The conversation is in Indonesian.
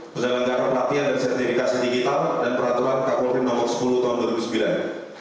penyelenggaran latihan dan sertifikasi digital dan peraturan kapolri nomor sepuluh tahun dua ribu sembilan